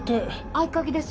合鍵です。